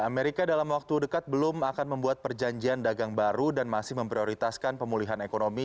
amerika dalam waktu dekat belum akan membuat perjanjian dagang baru dan masih memprioritaskan pemulihan ekonomi